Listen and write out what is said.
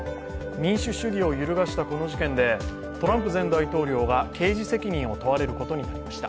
民主主義を揺るがしたこの事件でトランプ前大統領が刑事責任を問われることになりました。